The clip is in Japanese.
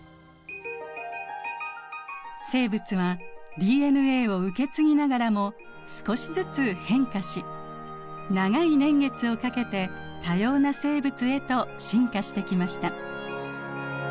生物はＤＮＡを受け継ぎながらも少しずつ変化し長い年月をかけて多様な生物へと進化してきました。